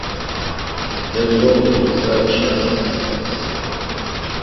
Terzoğli Riza içilasen, ya t̆ǩves.